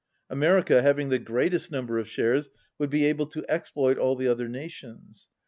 America, having the greatest number of shares, would be able to exploit all the other na tions.